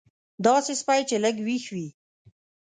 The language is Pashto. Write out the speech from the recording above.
داسې سپی چې لږ وېښ وي.